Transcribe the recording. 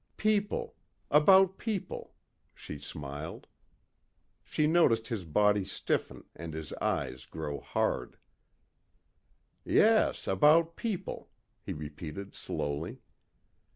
"People. About people," she smiled. She noticed his body stiffen and his eyes grow hard. "Yes, about people," he repeated slowly.